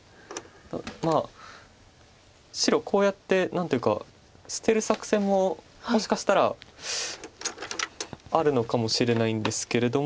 まあ白こうやって何というか捨てる作戦ももしかしたらあるのかもしれないんですけれども。